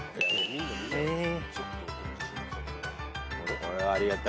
これはありがたい。